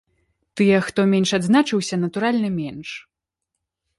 Тыя, хто менш адзначыўся, натуральна, менш.